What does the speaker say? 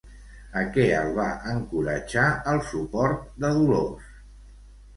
A què el va encoratjar el suport de Dolors?